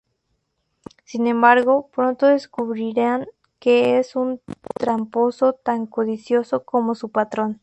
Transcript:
Sin embargo, pronto descubrirán que es un tramposo tan codicioso como su patrón.